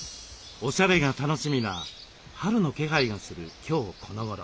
おしゃれが楽しみな春の気配がする今日このごろ。